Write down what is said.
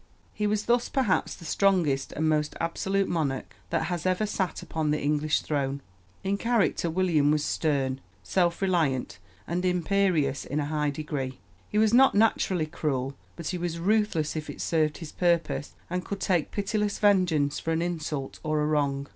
He was thus perhaps the strongest and most absolute monarch that has ever sat upon the English throne. In character William was stern, self reliant, and imperious in a high degree. He was not naturally cruel; but he was ruthless if it served his purpose, and could take pitiless vengeance for an insult or a wrong.